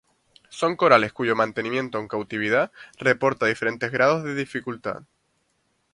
Son corales cuyo mantenimiento en cautividad reporta diferentes grados de dificultad.